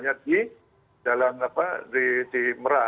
hanya di dalam apa di merak